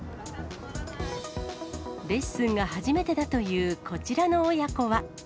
レッスンが初めてだというこちらの親子は。